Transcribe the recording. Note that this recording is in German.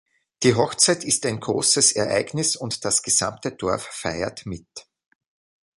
Die Hochzeit ist ein großes Ereignis, und das gesamte Dorf feiert mit.